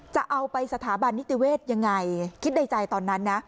จะเอาไปสถาบันนิติเวศยังไงคิดในใจตอนนั้นนะ